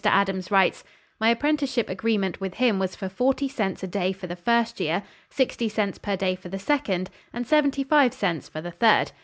Adams writes: "My apprenticeship agreement with him was for forty cents a day for the first year, sixty cents per day for the second, and seventy five cents for the third.